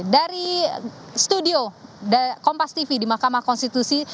dari studio kompas tv di mahkamah konstitusi